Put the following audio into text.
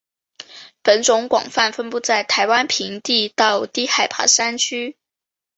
本种广泛分布在台湾平地到低海拔山区。